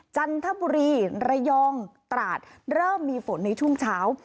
จันทบุรีระยองตราดเริ่มมีฝนในช่วงเช้า